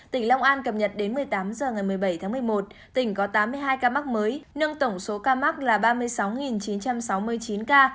tỉnh long an cập nhật đến một mươi tám h ngày một mươi bảy tháng một mươi một tỉnh có tám mươi hai ca mắc mới nâng tổng số ca mắc là ba mươi sáu chín trăm sáu mươi chín ca